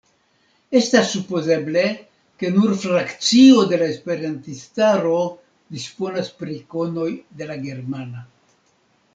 Estas supozeble, ke nur frakcio de la esperantistaro disponas pri konoj de la germana.